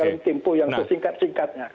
dalam tempo yang sesingkat singkatnya